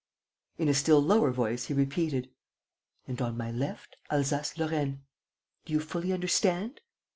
In a still lower voice, he repeated: "And, on my left, Alsace Lorraine! ... Do you fully understand?